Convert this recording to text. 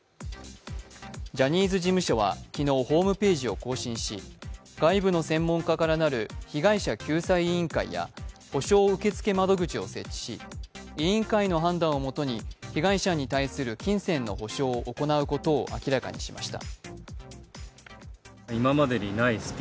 ジャニーズ事務所は昨日、ホームページを更新し、外部の専門家からなる被害者救済委員会や補償受付窓口を設置し、委員会の判断をもとに被害者に対する金銭の補償を行うことを明らかにしました。